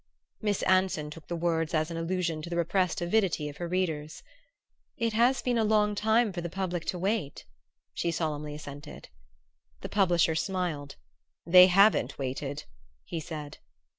Miss Anson took the words as an allusion to the repressed avidity of her readers. "It has been a long time for the public to wait," she solemnly assented. The publisher smiled. "They haven't waited," he said.